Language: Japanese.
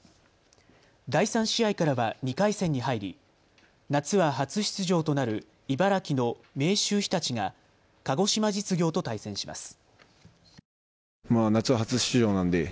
第３試合からは２回戦に入り、夏は初出場となる茨城の明秀日立が鹿児島実業と対戦します。